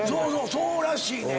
そうらしいねん。